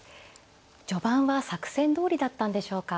序盤は作戦どおりだったんでしょうか。